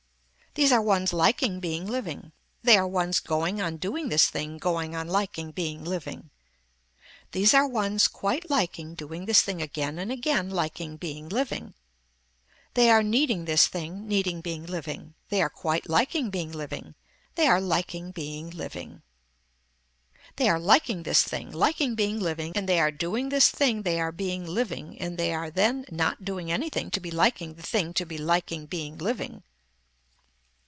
These are ones liking being living. They are ones going on doing this thing going on liking being living. These are ones quite liking doing this thing again and again liking being living. They are needing this thing needing being living. They are quite liking being living. They are liking being living. They are liking this thing, liking being living and they are doing this thing they are being living and they are then not doing anything to be liking the thing to be liking being living.